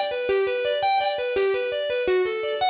liat gue cabut ya